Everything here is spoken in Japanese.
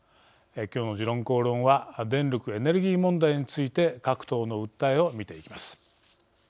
きょうの「時論公論」は電力・エネルギー問題について各党の訴えを見ていきます。